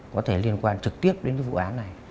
có thể liên quan trực tiếp đến cái vụ án này